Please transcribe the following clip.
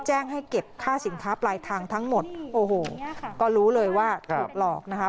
แจ้งให้เก็บค่าสินค้าปลายทางทั้งหมดโอ้โหก็รู้เลยว่าถูกหลอกนะคะ